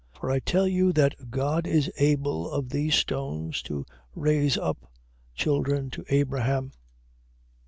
For I tell you that God is able of these stones to raise up children to Abraham.